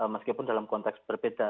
meskipun dalam konteks berbeda